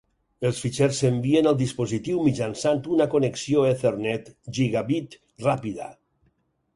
Els fitxers s'envien al dispositiu mitjançant una connexió Ethernet gigabit ràpida.